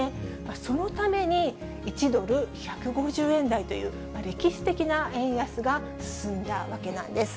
そのために、１ドル１５０円台という歴史的な円安が進んだわけなんです。